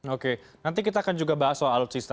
oke nanti kita akan juga bahas soal alutsista